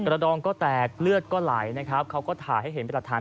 กระดองก็แตกเลือดก็ไหลนะครับเขาก็ถ่ายให้เห็นเป็น